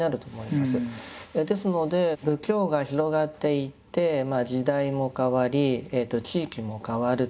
ですので仏教が広がっていって時代も変わり地域も変わると。